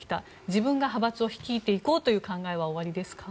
自分が派閥を率いていこうという考えは、おありですか？